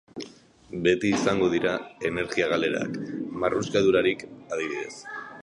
Beti izango dira energia galerak, marruskaduragatik adibidez.